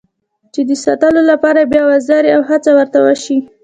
چې د ساتلو لپاره یې بیا وارزي او هڅه ورته وشي.